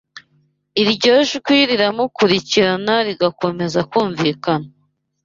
Iryo jwi riramukurikirana rigakomeza kumvikana